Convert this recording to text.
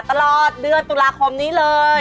ตลอดเดือนตุลาคมนี้เลย